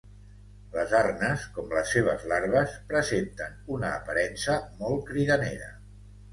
Les arnes, com les seves larves, presenten una aparença molt cridanera.